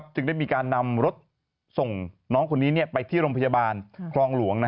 จึงได้มีการนำรถส่งน้องคนนี้ไปที่โรงพยาบาลคลองหลวง